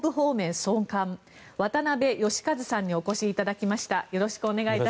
総監渡部悦和さんにお越しいただきました。